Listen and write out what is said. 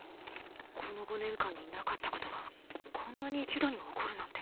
この５年間になかったことがこんなに一度に起こるなんて。